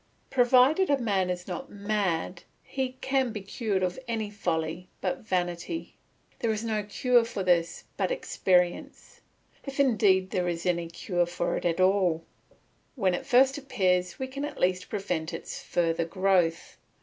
Provided a man is not mad, he can be cured of any folly but vanity; there is no cure for this but experience, if indeed there is any cure for it at all; when it first appears we can at least prevent its further growth.